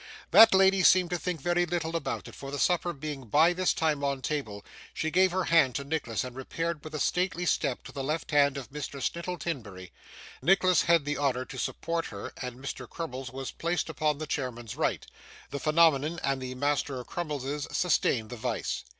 That lady seemed to think very little about it, for the supper being by this time on table, she gave her hand to Nicholas and repaired with a stately step to the left hand of Mr. Snittle Timberry. Nicholas had the honour to support her, and Mr. Crummles was placed upon the chairman's right; the Phenomenon and the Master Crummleses sustained the vice.